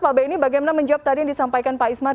pak benny bagaimana menjawab tadi yang disampaikan pak ismat